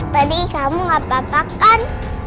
peri kamu gak apa apa kan